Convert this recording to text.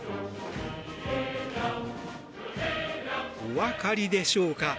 お分かりでしょうか。